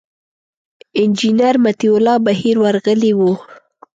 انجینر مطیع الله بهیر ورغلي و.